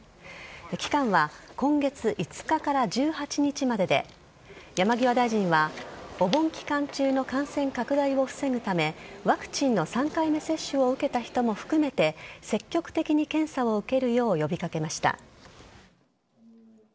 期間は今月５日から１８日までで、山際大臣は、お盆期間中の感染拡大を防ぐため、ワクチンの３回目接種を受けた人も含めて、積極的に検査を受けるよう呼びかけました。